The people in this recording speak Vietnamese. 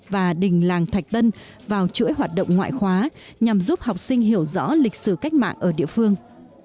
và đình làng thạch tân vào chuỗi hoạt động ngoại khóa nhằm giúp học sinh hiểu rõ lịch sử cách mạng ở địa phương